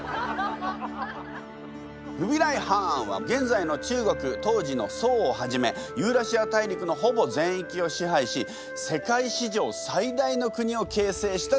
フビライ・ハーンは現在の中国当時の宋をはじめユーラシア大陸のほぼ全域を支配し世界史上最大の国を形成した人物。